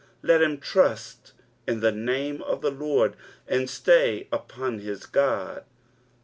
let him trust in the name of the LORD, and stay upon his God.